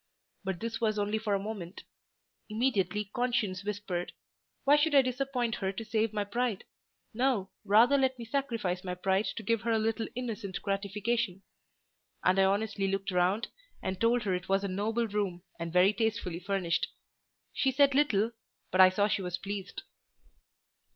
But this was only for a moment: immediately conscience whispered, "Why should I disappoint her to save my pride? No—rather let me sacrifice my pride to give her a little innocent gratification." And I honestly looked round, and told her it was a noble room, and very tastefully furnished. She said little, but I saw she was pleased.